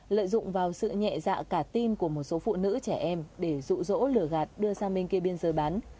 lợi dụng vào sự nhẹ dạ cả tim của một số phụ nữ trẻ em để rụ rỗ lừa gạt đưa sang bên kia biên giới bán